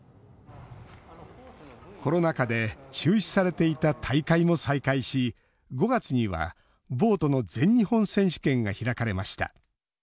コロナ禍で中止されていた大会も再開し５月にはボートの全日本選手権が開かれました。